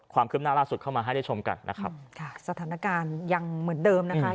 ความคืบหน้าล่าสุดเข้ามาให้ได้ชมกันนะครับค่ะสถานการณ์ยังเหมือนเดิมนะคะ